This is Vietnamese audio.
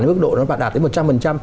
đến mức độ nó bạt đạt đến một trăm linh